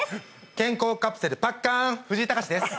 健康カプセルパッカーン藤井隆です